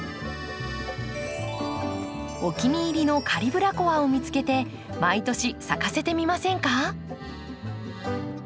お気に入りのカリブラコアを見つけて毎年咲かせてみませんか？